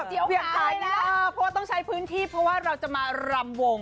ขายแล้วเพราะว่าต้องใช้พื้นที่เพราะว่าเราจะมารำวง